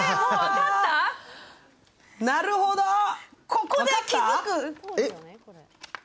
ここで気づく！